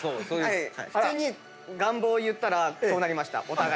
普通に願望を言ったらそうなりましたお互いに。